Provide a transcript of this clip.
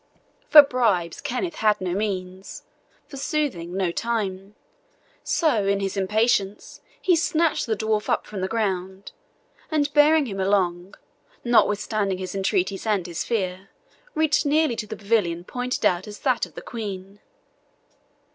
For bribes Sir Kenneth had no means for soothing no time; so in his impatience he snatched the dwarf up from the ground, and bearing him along, notwithstanding his entreaties and his fear, reached nearly to the pavilion pointed out as that of the Queen.